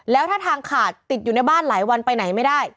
แล้วถ้าทางขาดติดอยู่ในบ้านหลายวันไปไหนไม่ได้